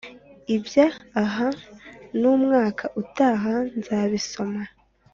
iby’aha n’umwaka utaha nzabisoma